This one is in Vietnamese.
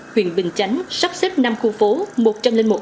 huyện bình chánh sắp xếp năm khu phố